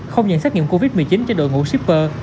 không nhận xét nghiệm covid một mươi chín cho đội ngũ shipper